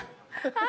あ！